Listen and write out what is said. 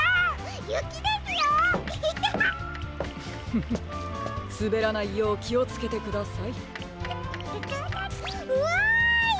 フフフッすべらないようきをつけてください。わい！